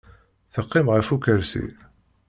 Teqqim ɣef ukersi.